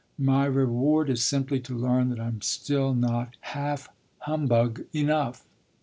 my reward is simply to learn that I'm still not half humbug enough!"